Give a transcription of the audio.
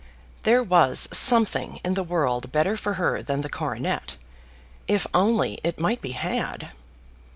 There was something in the world better for her than the coronet, if only it might be had.